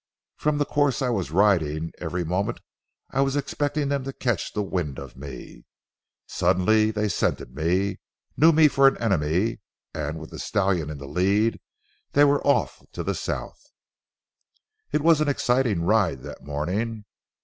From the course I was riding, every moment I was expecting them to catch the wind of me. Suddenly they scented me, knew me for an enemy, and with the stallion in the lead they were off to the south. "It was an exciting ride that morning.